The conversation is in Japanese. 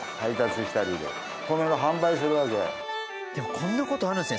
こんな事あるんですね。